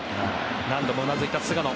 何度もうなずいた菅野。